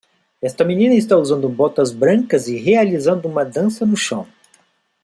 Esta menina está usando botas brancas e realizando uma dança no chão